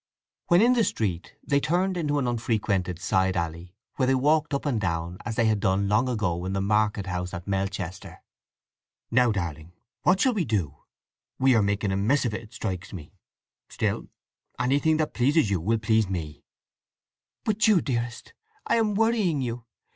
When in the street they turned into an unfrequented side alley where they walked up and down as they had done long ago in the market house at Melchester. "Now, darling, what shall we do? We are making a mess of it, it strikes me. Still, anything that pleases you will please me." "But Jude, dearest, I am worrying you!